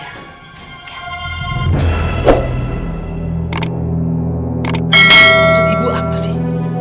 maksud ibu apa sih